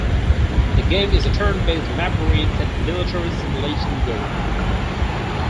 The game is a turn-based map-oriented military simulation game.